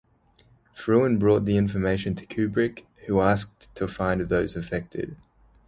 Frewin brought the information to Kubrick, who asked to find those affected.